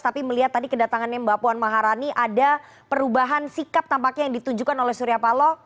tapi melihat tadi kedatangannya mbak puan maharani ada perubahan sikap tampaknya yang ditunjukkan oleh surya paloh